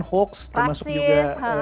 hoax termasuk juga